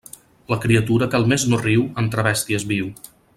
La criatura que al mes no riu, entre bèsties viu.